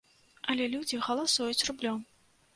Але людзі галасуюць рублём.